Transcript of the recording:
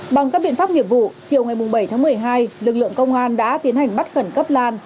bằng các biện pháp nghiệp vụ chiều ngày bảy tháng một mươi hai lực lượng công an đã tiến hành bắt khẩn cấp lan